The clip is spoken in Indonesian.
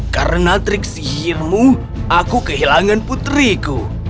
karena trik sihirmu aku kehilangan putriku